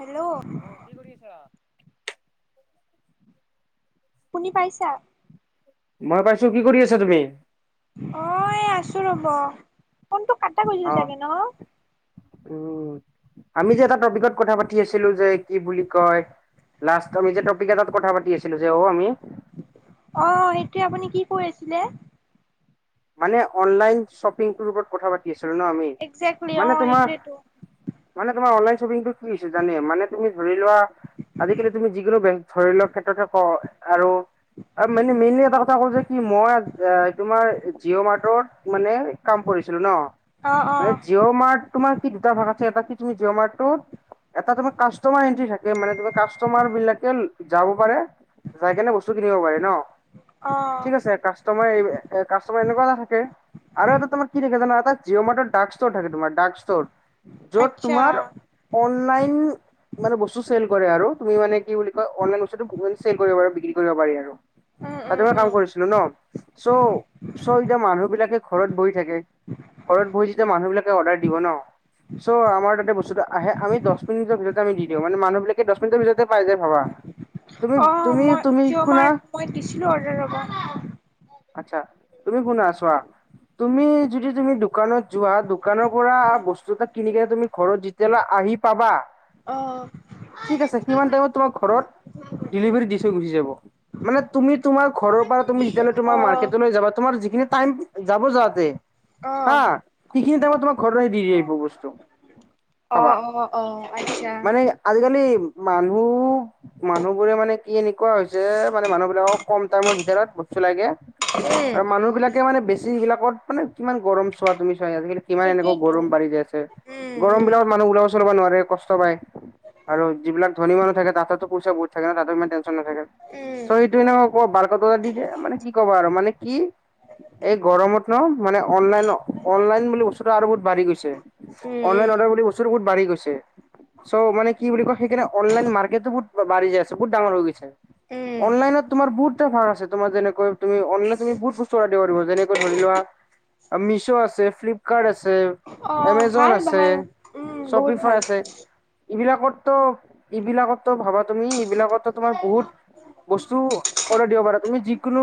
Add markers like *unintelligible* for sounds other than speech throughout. Hello অহ, কি কৰি আছা? শুনি পাইছা? মই পাইছো। কি কৰি আছা তুমি? অ এই আছো ৰব। ফোনটো কাটা গৈছিল অ', চাগে ন? উম, আমি যে এটা টপিকত কথা পাতি আছিলো যে কি বুলি কয় লাষ্ট আমি যে টপিক এটাত কথা পাতি আছিলো যে অ আমি। অ হেইটোৱে, আপুনি কি কৈ আছিলে? মানে অনলাইন শ্বপিংটোৰ ওপৰত কথা পাতি আছি ন আমি। একজেক্টলি মানে অ' তোমাৰ সেইটোৱেটো। মানে তোমাৰ অনলাইন, বিটো কি হৈছে জানে, মানে তুমি ধৰি লোৱা আজিকালি তুমি যিকোনো ব ধৰি লৰ ক্ষেত্ৰতে ক আৰু, আৰু মানে মেইনলি এটা কথা ক'ও যে, কি মই তোমাৰ। জিঅ' মাৰ্টত মানে কাম কৰিছিলোঁ ন। অ' মানে অ' জিঅ' মাৰ্ট তোমাৰ কি দুটা ভাগ আছে, এটা কি তুমি জিঅ' মাৰ্ - মাৰ কামাৰ এ থাকে মান ত কাষ্টমাৰ বিলাকে যাব পাৰে। যাই কেনে বস্তু কিনিব পাৰে ন। অ' ঠিক আছে কাষ্টমাৰ। এনেকোৱা এটা থাকে। আৰু এটা তোমাৰ কি দেখে জান এটা জিঅমেৰ ডাক ষ্টৰ থাকে তোমাৰ ডাক ষ্টৰ। য'ত আচ্ছা তোমাৰ অনলাইন মানে বস্তু চেল কৰে। আৰু তুমি মানে, কি বুলি কয়, অনলাইন বস্তুটো চেল কৰিব পাৰ বিক্ৰী কৰিব পাৰি আৰু। উম তাত উম পৰা কাম উম কৰিছিলো ন চ' চ' এতিয়া মানুহ বিলাকে ঘৰত বহি। ঘৰত বহি যেতিয়া মানুহ বিলাকে অৰ্ডাৰ দিব ন, চ' আমাৰ তা বস্তুটো আহে আম দহ মিনিটৰ ভিতৰতে আম দিওঁ মানে মানুহ বিলাকে দহ মিনিটৰ ভিতৰতে পাই যায়। ভাবা তুমি অ' তুমি মই তুমি জিঅ' শুনা মাৰ্ট মই দিছিলোঁ অৰ্ডাৰ ৰবা। আচ্ছা তুমি কোনে আছোৱা তুমি যদি তুমি দোকানত। যোৱা দোকানৰ পৰা অ' বস্তু এটা কিন কেনে তুমি ঘৰত যেতিয়ালা আহি পাবা। অ' ঠিক আছে কিমান টাইমত তোমাৰ ঘৰত? ডিভাৰ দি থৈ গুচি থৈ যাব মানে তুমি তোমাৰ ঘৰ। মাৰ্কেটলৈ যাবা। তোমাৰ যিখিন টাইম যাব। যাতে হা কি কিনি দোব তোমাক ঘৰ দি যিব বস্তু অ' ভাবা অ' অ' আচ্ছা মানে আজিকালি মানুহ মানুহ বোৰে মানে কি এনেকুৱা হৈছে? যে মানে মানুহ বিলাকক কম টাইমৰ ভিতৰত চলাইগে উম আৰু মানুহ বিলাকে মানে বেছি। য বিলাকত মানে কিমান গৰম চোৱা তুমি। আজিকালি কিমান এনেকুৱ সেইটোৱেতো গৰম বাঢি য আছে উম গৰম উম বিলাকত মানুহ ওলাব চলাব নোৱাৰে। কষ্ট পায় আৰু যিবিলাক ধনী মানুহ থাকে তাততেতো পইচা বহুত থাকে ন তাততে মান। নাথাকে উম, চ সেইটো এনকা বাৰ ক দিয়ে। মানে কি ক'বা আৰু মানে কি এই গৰমত ন মানে অনলাইন অনলাইন বুলি বস্তুতটো আৰু বহুত বাঢ়ি গৈছে। উম, অনলাইন উম, অৰ্ডাৰ বুলি বস্তুটো বহুত বাঢ়ি গৈছে। চ' মান কি বুলি ক সেইকাৰে অনলাইন মাৰ্কটটো বহুত বাঢ়ি যায় আছে। বহুত ডাঙৰ হৈ গৈছে। উম, অনলাইনত তোমাৰ বুট এটা ভাল আছে। তোমাৰ যেনেকৈ তুমি অনলাইন তুমি বহুত বস্তু অৰ্ডাৰ দিব পাৰিব। যেনেকে ধৰি লোৱা মিছ' আছে। ফ্লিপকাৰ্ট আছে অ', এমেজন ভাল আছে ভাল উম, বহুত শ্বপিং ফাই ভাল আছে। এইবিলাকততো এইবিলাকতো ভাবা তুমি। বিলাকো তোমাৰ বহুত বস্তু অৰ্ডাৰ দিব পাৰা তুমি যিকোনো।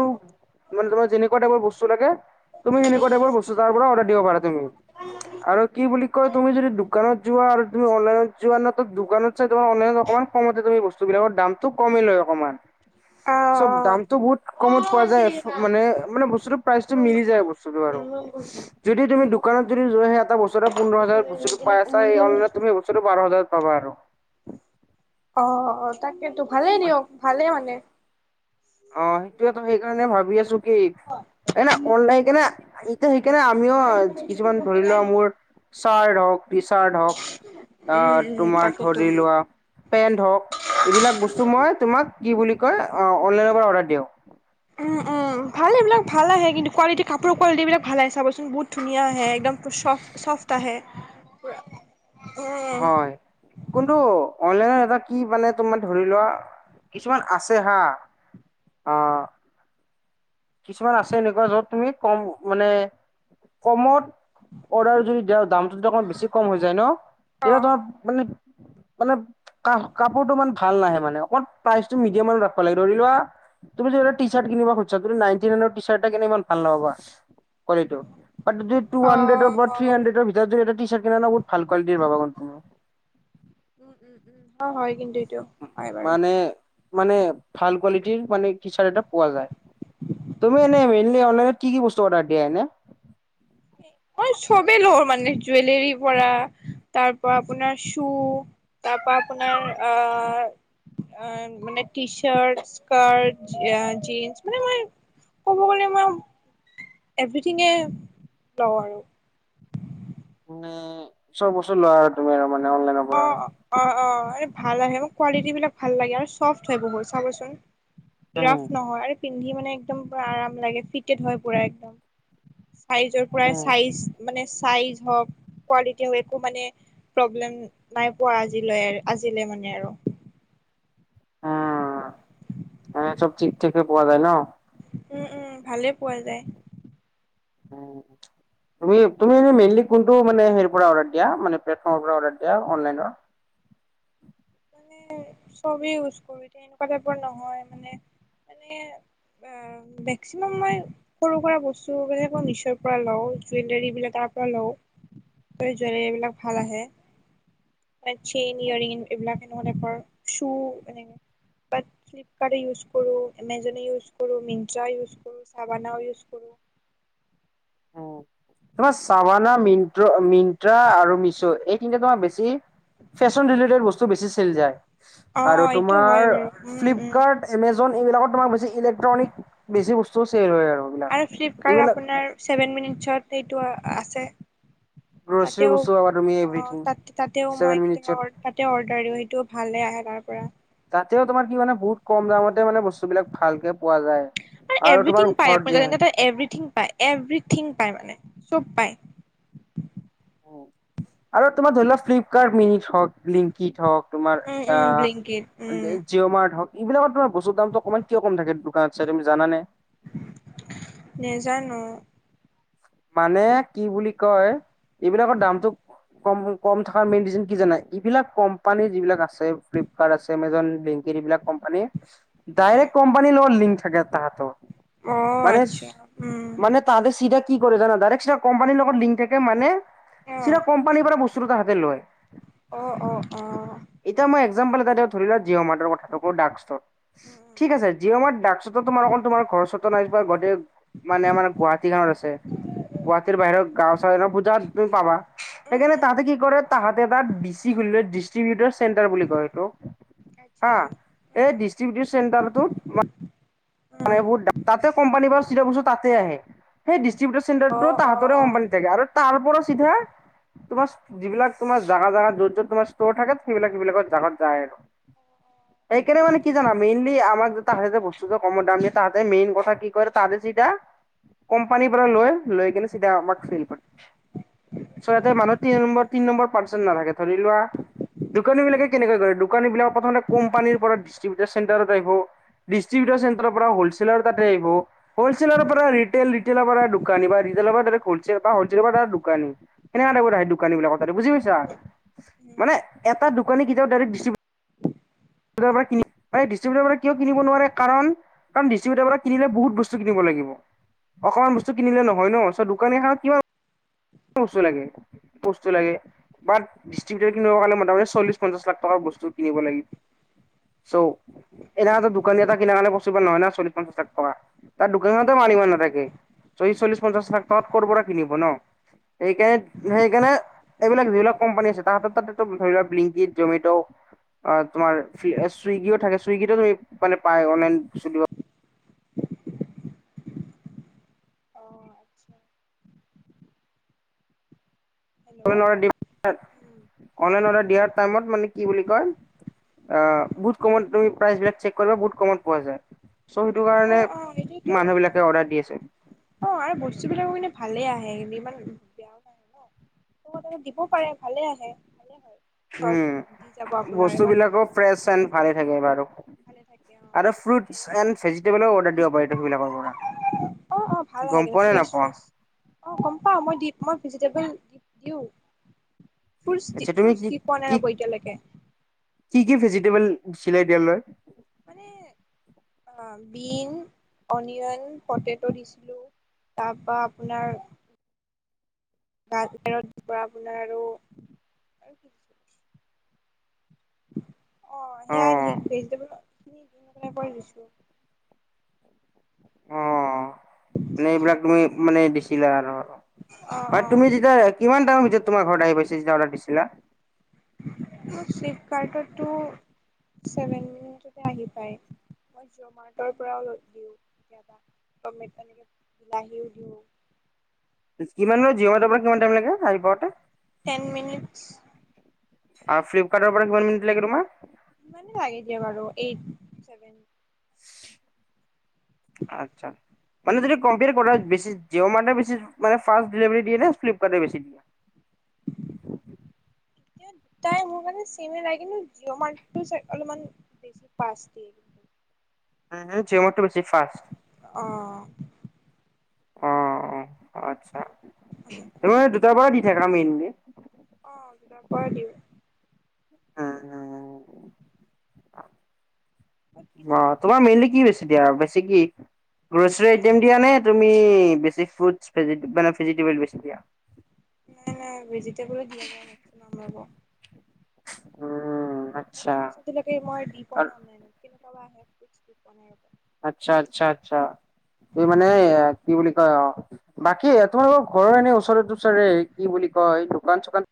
মানে তোমাৰ যেনেকুৱা টাইপৰ বস্তু লাগে। তুমি সেনেকুৱা উম, টাইপৰ বস্তু তাৰ পৰা অৰ্ডাৰ দিব পাৰা তুমি আৰু কি বুলি কয় তুমি যদি দোকানত যোৱা আৰু তুমি অনলাইন য দোকানত চাই তোমাৰ অনলাইনত। অকণমান কমতে তুমি বস্তুবিলাকৰ দামতটো কমি লয় অকণমান অ', চ' অ', অ', দামতটো বহুত কমত পোৱা যায়। মানে বস্তুটো পেৰাস মিনিলি যাই বস্তুটো আৰু যদি তুমি যদি স এটা বছৰে পোন্ধ হাজাৰ বছ পাইছা এই অনলাইত তুমি এই বছৰো বাৰ হাজাৰত পাবা আৰু অ' অ' তাকেতো ভালেই দিয়ক ভালে মানে। অ' সেইটোয়েতো সেইকাৰণে ভাবি আছো। কি এ ন অনলাই কেনে এতিয়া সেইকাৰনে আমিও কিছুমান ধৰি লোৱা মোৰ। চাৰ্ড হওক থিচাৰ্ড হওক উম, আহ উম, তোমাৰ তাকেতো ধৰি লোৱা। পেণ ধৰক এইবিলাক বস্তুটো মই তোমাক কি বুলি কৈ অ অনলাইন পৰা অধাৰ ধিও উ উম ভাল এইবাক ভাল আহে কিন্তু কোৱালিটি কাপোৰৰ কোৱালিটিবিলাক ভাল আহে চাবচোন বহুত ধুনীয়া আহে একদম। চফ চফ আহে। উম, হয় কোনটো অনলাইনৰ এপ কি মানে তোমাৰ ধৰি লোৱা, কিছুমান আছে হা অৱ, কিছুমান আছে এনেকুৱা যত তুমি কম মানে কমত অৰ্ডাৰ যদি দিয় দামটো যদি অকমান বেছি কম হৈ যায় ন এয়া অ', তোমাৰ মানে *inaudible* মানে ক কাপোৰতটো ইমান ভাল নাহে মানে অকণমান প্ৰাইচটো মিডিয়াম মানত ৰাখিব লাগে ধৰি লোৱা তুমি যে টি চাৰ্ট কিন খুজিচা নাইণ্ঠি নাইনৰ তৃষাত এটানে ইমান ভাল নাপাবা। কোৱালি ব যদি টু হাড্ৰেডৰ অ', থ্ৰী অ'। হানড্ৰেডৰ ভিতৰতদি এটা টিচাৰত কিনা ন বহুত ভাল কোৱালিটি উম উম উম হয় কিন্তু এইটো হয় বাৰু মানে মানে ভাল কোৱালিটিৰ মানে টি চাৰ্ট এটা পোৱা যায়। তুমি এনেই মেইনলি অনলাইনত কি কি বস্তু অৰ্ডাৰ দিয়া এনে! মই চবেই লও মানে জুুৱেলাৰি পৰা তাৰ পৰা আপোনাৰ শো তাৰ পৰা আপোনাৰ আহ আহ মানে টি চাৰ্ট, স্কাৰ্ট, জিনস মানে মই ক'ব গ'লে মই, এভিথিঙে লওঁ আৰু মানে চব বছৰ লোৱা আৰু তুমি আৰু মানে। অনলাইনৰ পৰা আৰু। অৱ অৱ অৱ অ ভাল আহে মোৰ কোৱালিট বিলাক ভাল লাগে আৰু চফ্ট হয় বহুত চাবচোন, উম, ৰাফ নহয় আৰু পিন্ধি মানে একদম পৰা আৰাম লাগে ফিটেড হয় পুৰা একদম। চাইজৰ পৰা উম। চাইজ মানে চাইজ হওক কোৱালিটি হওক একো মানে প্ৰব্লেম নাই পোৱা আজিলৈ আজিলে মানে আৰু হ চব ঠিক ঠিকে পোৱা যায় ন। উম উম ভালে পোৱা যায়। তুমি তুমি এনেই মেইনলি কোনটো মানে সেৰি পৰা অৰ্ডাৰ দিয়া। মানে প্লেটফৰ্মৰ পৰা অৰ্ডাৰ দিয়া অনলাইনৰ। *unintelligible* চবেই ইউজ কৰো এতিয়া এনেকুৱা টাইপৰ নহয় মানে মানে অ মেক্সিমাম মই সৰু হুৰা বস্তু যেনেকৈ মিছৰ পৰা লও জুৱেলাৰ বিলাক ত জুৱেলী বিলাক ভাল আহে। চেইন ইয়ৰ ইন এইবিলাক এনেকুৱা টাইপৰ চু এনেকে ফ্লিপকাৰ্ট ইউজ কৰো, এমাজন ইউজ কৰো, মিনট্ৰা ইউজ কৰো, চাবানাও ইউজ কৰো। *unintelligible* তোমাৰ চাবানা, মিনট্ৰ মিনট্ৰা আৰু মিছউ এই তিনিটা তোমাৰ বেছি ফ্ৰেচন ৰিলেটেড বস্তু বেছি চেল যায়। অ আৰু এইটো হয় তোমাৰ বাৰু উম উম ফ্লিপকাৰ্ট এমেজন এইবিলাক তোমাক বেছি ইলেক্ট্ৰনিক বেছি বস্তু চেল হয় আৰু এইবিলাক এইবিলাক পিছত এইটো আছে। গ্ৰচাৰী তাতেও বস্তু পাবা তুমি অ এভ্ৰিথিং তাতেও মই ছেভেন কেতিয়া মিনিটছত তাতে অৰ্ডাৰ দিওঁ। টো ভালে আহে তাৰ পৰা। তাতেও তোমাৰ কি মানে বহুত কম দামতে মানে বস্তুবিলাক ভালকে পোৱা যায়। আৰু তোমাৰ এভ্ৰিথিং পায় ঘৰত আপুনি যি জানেনে এভ্ৰিথিং পায় এভ্ৰৰিথিং পাই মানে চব পায়। আৰু তোমাৰ ধৰি লোৱা ফ্লিপকাৰ্ট মিনিত হওক, লিংকিত হওক- তোমাৰ উম অ উম ব্লিংকিত উম জিঅ' মাৰ্ট হওক। এইবিলাকত তোমাৰ বস্তুৰ দামটো অকণমান কিয় কম থাকে দোকানত চ তুমি জানানে। নেজানো। মানে কি বুলি কয় এইবিলাকৰ দামটো কম কম থকা মেইন ৰিজন কি জানাই এইবিলাক কোম্পানী যিবিলাক আছে ফ্লিপকাৰ্ট আছে, আমেজন, ব্লিংকিত এইবিলাক কোম্পানীয়ে উম ডাইৰেক্ট কোম্পানী লগত লিংক থাকে তাহেতৰ, অ মানে আচ্ছা উম মানে তাহেতি চিধা কি কৰে জানা ডাইৰেক্ট চিধা কোম্পানীৰ লগত লিংক থাকে মানে অ চিধা কোম্পানীৰ পৰা বস্তুটো তাহাতে লয়। অ *inaudible* অঁ অঁ। এতিয়া মই একসাম্পল এটা দিওঁ ধৰি লোৱা। জিঅ'মাৰ্তৰ কথাটো কওঁ ডাক্ষ্টৰ। উম ঠিক আছে জিঅ'মাৰ্ত ডষ্ট- তোমাৰ অকল তোমাৰ ঘৰৰ *unintelligible* নাই বা মানে আমাৰ গুৱাহাটীখতন আছে। গুৱাহাটীৰ বাহিৰৰ গাঁও চাওঁ পূজা তুমি পাবা। সেইকাৰণে উম তাহাঁতে কি কৰে তাহাঁতে তাৰ- কি খুলিলে ডিষ্ট্ৰিবউটৰ চেণ্টাৰ বুলি কয়। এইটো। হা আচ্ছা এই উম ডিষ্ট্ৰিবউচন চেণ্টাৰটোত- মানে উম বহুত তাতে কোম্পানীৰ পৰা চিধা বস্তু তাতে আহে সেই ডিষ্ট্ৰি- উতৰ অ চেণ্টাৰটো অ তাহতৰে অ কোম্পানীত থাকে আৰু তাৰ পৰা চিধা- তোমাৰ যিবিলাক তোমাৰ জাগা জাগাত য'ত য'ত তোমাৰ ষ্টৰ থাকে। সেইবিলাক সেইবিলাকত জাগাত যায় আৰু। অ' অ'। সেইকাৰণে মানে কি জানা মেইনলি আমাক যেতিয়া *unintelligible* বস্তু- তাহাতে মেইন কথা কি কৰে তাহাতে চিধা- কোম্পানীৰ পৰা লয়। লৈকিনে চিধা আমাক চেল কৰে। চ' ইয়াতে মানুহ তিন নম্বৰ, তিনি নম্বৰ পাৰ্চন নালাগে ধৰি লোৱা দোকানী বিলাকে কেনেকৈ কৰে, দোকানী বিলাক প্ৰথমতে কোম্পানীৰ পৰা ডিষ্ট্ৰিবিউটাৰ চেণ্টাৰত আহিব। ডিষ্ট্ৰিবিউটাৰ চেণ্টা ৰৰ পৰা হৌলচেলাৰ তাতে আহিব, হৌলচেলাৰৰ পৰা ৰিটেইল ৰিটেলৰ পৰা দোকানী বা ৰিটেইলৰ পৰা ডাইৰেক্ট হৌলচেলৰ বা হৌলচেলৰ পৰা ডাইৰেক্ট দোকানী, এনেকে টাইপত দোকানী বিলাকৰ তাতে বুজি পাইছা? উম মানে এটা দোকানী কেতিয়াও দিষ্ট্ৰ *inaudible* ডাইৰেক্ট দিষ্ট্ৰিবিউটাৰৰ কিয় কিনিব নোৱাৰে কাৰণ কাৰণ ডিষ্ট্ৰিবিউটাৰৰ পৰা কিনিলে বহুত বস্তু কিনিব লাগিব। অকমান বস্তু কিনিলে নহয় ন। চ' দোকান এখনত কিমান বস্তু লাগে বস্ত লাগে। বাট ডিষ্ট্ৰিবিউটাৰ খিনিৰ কাৰনে মোটামুটি চলিশ পঞ্চাশ লাখ টকাৰ বস্তু কিনিব লাগিব। চৌ এনেকাটো দোকানী এটা কিনে কাৰণে প শ্চিবল নহয়া চল্লিশ, পঞ্চাশ লাখ টকা দোকানতে মাল ইমান নাথাকে। যদি চল্লিশ পঞ্চাশ লাখ টকা কৰ পৰা কিনিব ন। সেইকাৰণে সেইকাৰণে এইবিলাক যিবিলাক কোম্পানী আছে তাহাঁতৰ তাতেটো ধৰি লোৱা ব্লিংকিত, জমেট'। অ' তোমাৰ চুইগিও থাকে চুইগিটো তুমি মানে পাই অনলাইন চলো আহ আচ্ছা। Hello online order, online order দিয়াৰ টাইমত মানে কি বুলি কয় আহ বহুত কমত তুমি প্ৰাইচ বিলাক চেক কৰিবা বহুত কমত পোৱা যায়। চ কাৰণে অ' অ' সেটোৱেটো, মানুহ বিলাকে অৰ্ডাৰ দি আছে অ' আৰু বস্তু বিলাকো কিন্ত ভালে আহে। ইমান বেয়াও নাহে ন, মৰমতেটো দিব পাৰে ভালে আহে ভালে হয়। ঘৰত দি যাব উম আপোনাৰ বস্তু ইমান বিলাকো ফ্ৰেছ এন্ড ভালে থাকে বাৰু, ভালে থাকে আৰু ফ্ৰুইটছ এন্ড ভেজিেবলো অৰ্ডাৰ *unintelligible* বিলাকৰ পৰা। অ' অ' ভাল আহে গম কিন্তু পোৱা নে ফ্ৰেছ নাপোৱা? ফ্ৰেছ। অ' গম পাওঁ মই দি মই ভেজিটেবল দি দিওঁ। ফ্ৰুইটচ আচ্ছা তুমি কি দি পোৱা নাই কি ৰব এতিয়ালৈকে। *unintelligible* মানে বিন, অনিয়ন, পতাটো দিছিলো। তাৰ পৰা আপোনাৰ গাজৰ আপোনাৰ আৰু, আৰু কি অ' সেয়াই স ভেজিটবল খিনি লৈছো। অ' মানে এইবিলাক তুমি মানে দিছিলা আৰু? অ', মানে অ', তুমি যেতিয়া কিমান টাইম ভিতৰত তোমাৰ ঘৰত আহি পাইছে যেতিয়া অৰ্ডাৰ দিছিলা? মোৰ ফ্লিপকাৰ্টতটো ছেভেন মিনিটতে আহি পায়। মই জীঅ'মাৰ্টৰ পৰাও দিওঁ কেতিয়াবা। ত মই ত হেনেকে বিলাহিও দিওঁ। কিমান ল জিঅ'মাৰ্টৰ পৰা কিমান টাইম লাগে আহি পাওঁতে? Ten minutes. অ ফ্লিপকাৰ্টৰ পৰা কিমান মিনিট লাগে তোমাৰ? সিমানে লাগে দিয়া বাৰু এইট, ছেভেন। আচ্ছা। মানে যদি কম্পেয়াৰ কৰা বেছি জিঅ' মাৰ্ট বেছি ফাৰ্ষ্ট ডেলিভাৰী দিয়ে নে ফ্লিপকাৰ্টে বেছি দিয়ে? *inaudible* এতিয়া দুটাই মোৰ কাৰণে চেমে কিন্তু জিঅ' মাৰ্টটো অলপমান বেছি ফাৰ্ষ্ট দিয়ে। হা হা জিঅ'মাৰ্টটো বে অঁহ। অ অ আচ্ছা। তোমাৰ দুটাবাৰ দি থাকা মেইনলি। নাপ দিওঁ। উম উম। অ কিছুমান তোমাৰ বস্তু মেইনলি কি বেছি জিঅ' দিয়া মাৰ্টত বেছ কি। গ্ৰচাৰী আইেম নহয়, দিয়া নে তুমি বেছ ফ্ৰু মানে ভেজবে দিয়া। নাই নাই ভেজিটেবলো দিয়া যায় মেক্সিমাম ৰ'ব। উম। আচ্ছা ফকে মই দি পোৱা নাই নাই ন কেনেকুৱা আহে ফ দি পোৱা নাই। আচ্ছা আচ্ছা আচ্ছা। এই মানে কি বুলি কয় অ বাকী তোমালোকৰ ঘৰৰ এনে ওচৰ ওচৰৰে কি বুলি। ক দোকান চুকান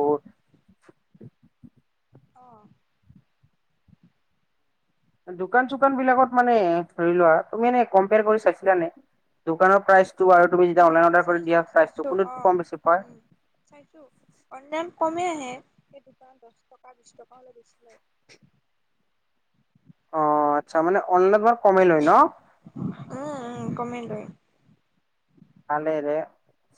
বহুত। অহ। দোকান চোকান বিলাকত মানে ধৰি লোৱা তুমি এ কম্পয়াৰ কৰি চাইছিলানে। দোকানৰ প্ৰাইচ। উম চাইছো চাইছো অ কোনটোত কম বেছি পৰে? উম চাইছো অনাম কমে আহে। সেই দোকান দহ টকা বিশ টকা হৈ দিছিলে। অ আচ্ছা মানে অনলাইনত বাৰ কমাই লয় ন। উম উম কমেই লয় আলেৰে।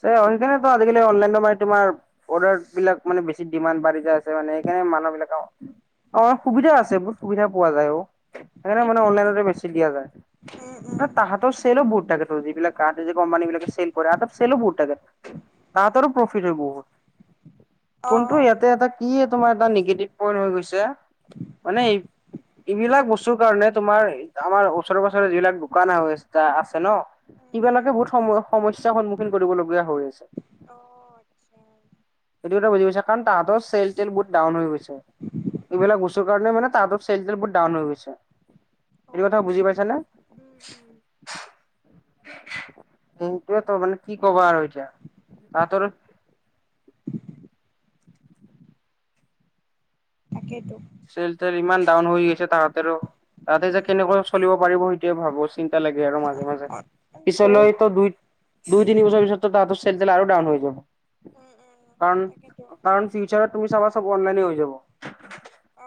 সে আজিকালিলাইন মানে তমাৰ বি মানে বেছি ডিমাণ্ড বাঢ়ি আছে মানে সেইকাৰণে। মানুহ বিলাকৰ অ সুবিধাও আছে বহুত সুবিধা পোৱা যায় অ। সেইকাৰণে মানে এইটোৱে অনলাইনতে বেছি দিয়া যায়। উম ন উম তাহাঁৰ চেলো বহুতটাকে থ য এইলাকাহতে য যে কম্পানী বিলাক। চেলো বহুত থাকে তাতৰো প্ৰফিট হয় বহুত। অ ফোনটো অ ইয়াতে এটা কি তোমাৰ এ নিগেটিভ পইন্ট হৈ গৈছে। মানে এইবিলাক বস্তুৰ কাৰণে তোমাৰ আমাৰ ওচৰে পাজৰে যিবিলাক দোকান আহ আছে। এ আছে ন উম কিব উম লৈকে বহুত সময়। সমস্যা সন্মুখীনলগীয়া হৈ আছে। অ আচ্ছা জি গৈছে কাৰণ তাহাঁতৰ চেল তেল বহুত ডাউন হৈ গৈছে। এইবিলাক বস্তুৰ কাৰণে মানে তাঁহতৰ চেল বহুত ডাউন হৈ গৈছে। অ সেইটো কথা বুজি পাইছানে। উম উম সেইটোৱে তো মানে কি কব আৰু এতিয়া তাতৰ। তাকেইেতো। চেল তেল ইমান ডাউন হৈ গৈছে তাহাঁতেৰো তাহতে যে উম কেনেকৈ চলিব পাৰিব সেইটয়ে ভাবো চিন্তা। লাগে আৰু মাজে মাজে বহুত পিছলৈ তো দুই দুই তিনি বছৰ পিছতো তাত। চেল তেল আৰু ডাউন হৈ যাব। উম উম কাৰণ তাকেইতো কাৰণ ফিউচাৰত তুমি চবা চব অনলাইনে হৈ যাব।